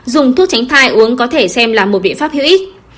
dùng thuốc tránh thai uống có thể xem là một biện pháp hữu ích